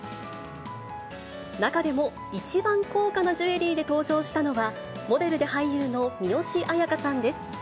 中でも、一番高価なジュエリーで登場したのは、モデルで俳優の三吉彩花さんです。